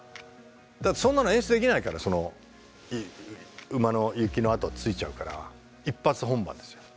そんなの演出できないからその馬の雪の跡がついちゃうから一発本番ですよ。